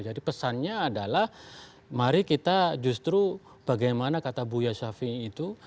jadi pesannya adalah mari kita justru bagaimana kata bu yasyafi itu